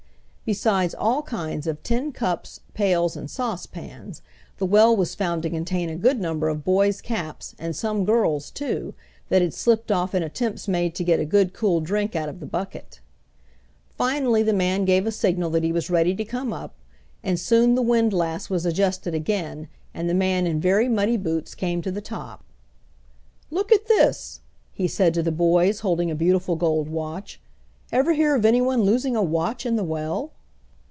Besides all kinds of tin cups, pails, and saucepans, the well was found to contain a good number of boys' caps and some girls' too, that had slipped off in attempts made to get a good cool drink out of the bucket. Finally the man gave a signal that he was ready to come up, and soon the windlass was adjusted again and the man in very muddy boots came to the top. "Look at this!" he said to the boys' holding a beautiful gold watch. "Ever hear of anyone losing a watch in the well?"